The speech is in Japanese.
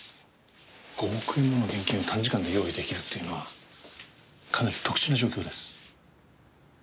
５億円もの現金を短時間で用意出来るっていうのはかなり特殊な状況です。